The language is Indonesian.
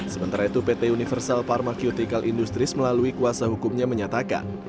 sementara itu pt universal pharmaceutical industries melalui kuasa hukumnya menyatakan